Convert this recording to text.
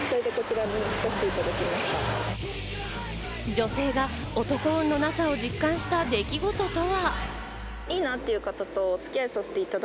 女性が男運のなさを実感した出来事とは？